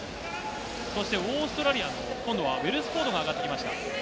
そしてオーストラリアの今度はウェルスフォード、上がってきました。